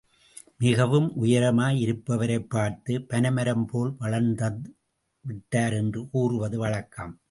மிகவும் உயரமாய் இருப்பவரைப் பார்த்து பனை மரம் போல் வளர்ந்து விட்டார் என்று கூறுவது வழக்கம்.